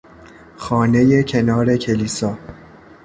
خانهی کنار کلیسا